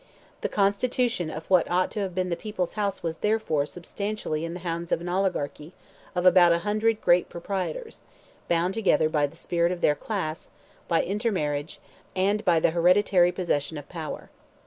The constitution of what ought to have been the people's house was, therefore, substantially in the hands of an oligarchy of about a hundred great proprietors, bound together by the spirit of their class, by intermarriage, and by the hereditary possession of power.